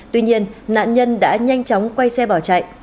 tuy nhiên nạn nhân đã nhanh chóng quay xe bỏ chạy